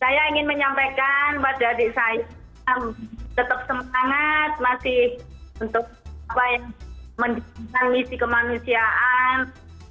saya ingin menyampaikan pada adik saya tetap semangat masih untuk mendirikan misi kemanusiaan